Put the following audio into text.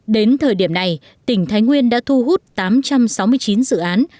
đến thời điểm này tỉnh thái nguyên đã thu hút tám trăm sáu mươi chín dự án